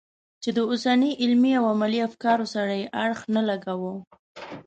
چې د اوسني علمي او عملي افکارو سره یې اړخ نه لګاوه.